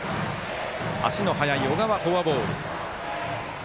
足の速い小川、フォアボール。